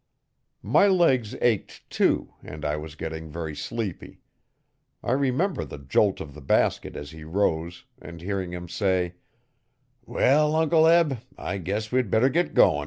My legs ached too, and I was getting very sleepy. I remember the jolt of the basket as he rose, and hearing him say, 'Well, Uncle Eb, I guess we'd better be goin'.'